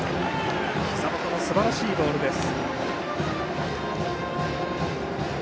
ひざ元のすばらしいボールです。